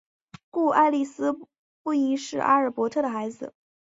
故爱丽丝不应是阿尔伯特的孩子。